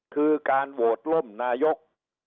คือการโหวตล่มนายก